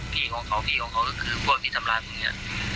พี่ของเขาพี่ของเขาก็คือพวกที่ทำร้ายผมเนี่ย